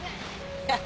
ハハハハ！